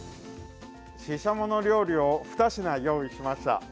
シシャモの料理を２品、用意しました。